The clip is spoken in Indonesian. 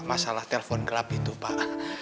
masalah telpon gelap itu pak